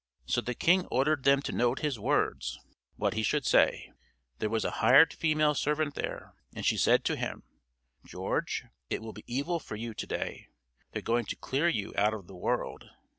So the king ordered them to note his words, what he should say. There was a hired female servant there, and she said to him: "George, it will be evil for you to day; they're going to clear you out of the world."